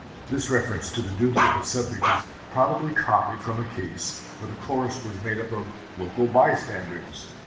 This reference to the duty of a subject is probably copied from a case where the Chorus was made up of local bystanders.